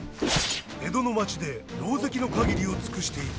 江戸の街でろうぜきの限りを尽くしていた。